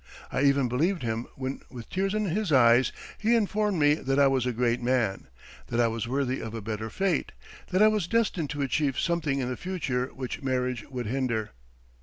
I even believed him when with tears in his eyes he informed me that I was a great man, that I was worthy of a better fate, that I was destined to achieve something in the future which marriage would hinder!